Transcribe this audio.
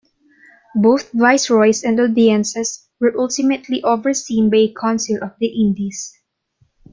Both viceroys and "audiencias" were ultimately overseen by a Council of the Indies.